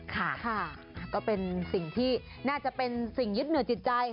ค่ะก็เป็นสิ่งที่น่าจะเป็นสิ่งยึดเหนื่อจิตใจ